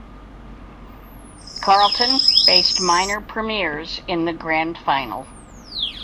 Carlton faced minor premiers in the Grand Final.